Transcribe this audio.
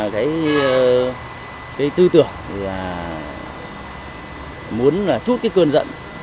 cái tư tưởng thì là muốn là chút cái cơn giận